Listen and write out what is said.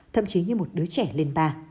thậm chí như một đứa trẻ lên bà